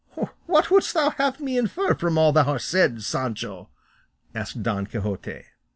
"What wouldst thou have me infer from all thou hast said, Sancho?" asked Don Quixote.